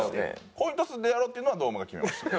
コイントスでやろうっていうのは堂前が決めました。